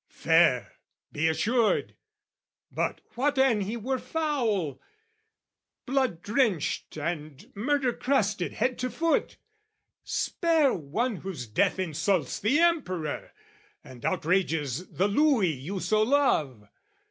"Fair, be assured! But what an he were foul, "Blood drenched and murder crusted head to foot? "Spare one whose death insults the Emperor, "And outrages the Louis you so love!